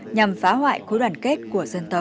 nhằm phá hoại khối đoàn kết của dân tộc